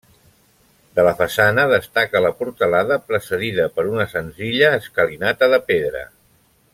De la façana destaca la portalada, precedida per una senzilla escalinata de pedra.